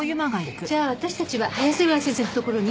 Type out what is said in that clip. じゃあ私たちは早瀬川先生のところに。